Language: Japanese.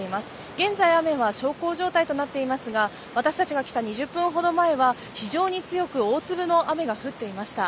現在、雨は小康状態となっていますが、私たちが来た２０分ほど前には非常に強く大粒の雨が降っていました。